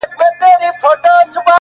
o د دوزخي حُسن چيرمني جنتي دي کړم ـ